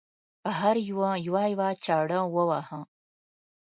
هر یوه یوه یوه چاړه وواهه.